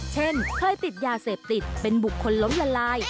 เช่นเคยติดยาเสพติดเป็นบุคคลล้มละลาย